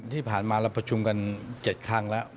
ที่ผ่านมาเราประชุมกัน๗ครั้งแล้ว